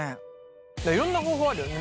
いろんな方法あるよね